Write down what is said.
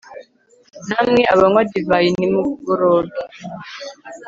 namwe abanywa divayi nimuboroge